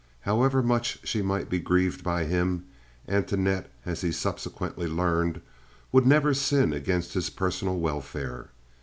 However much she might be grieved by him, Antoinette, as he subsequently learned, would never sin against his personal welfare.